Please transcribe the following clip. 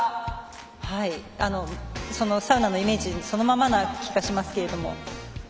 そのサウナのイメージそのままな気がしますけど。